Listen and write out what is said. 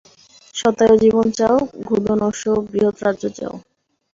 শতায়ু জীবন চাও, গোধন অশ্ব ও বৃহৎ রাজ্য চাও।